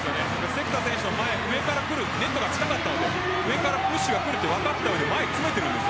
関田選手の前ネットが近かったので上からプッシュがくると分かっていたので前、詰めていたんです。